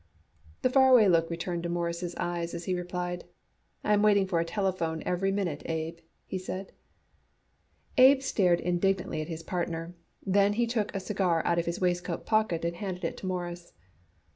The far away look returned to Morris' eyes as he replied. "I am waiting for a telephone every minute, Abe," he said. Abe stared indignantly at his partner, then he took a cigar out of his waistcoat pocket and handed it to Morris.